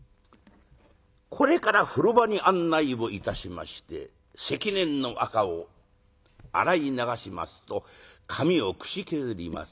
これから風呂場に案内をいたしまして積年のあかを洗い流しますと髪をくしけずります。